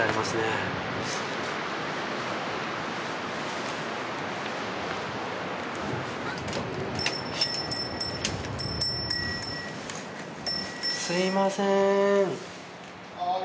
すみません